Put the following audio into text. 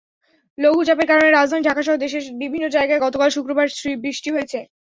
লঘুচাপের কারণে রাজধানী ঢাকাসহ দেশের বিভিন্ন জায়গায় গতকাল শুক্রবার বৃষ্টি হয়েছে।